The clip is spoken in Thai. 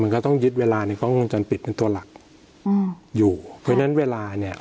มันก็ต้องยึดเวลาในกล้องวงจรปิดเป็นตัวหลักอืมอยู่เพราะฉะนั้นเวลาเนี้ย